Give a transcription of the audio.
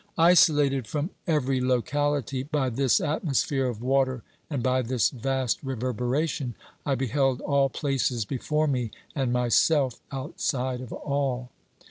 Isolated from every locality by this atmosphere of water and by this vast reverberation, I beheld all places before me and myself outside of all.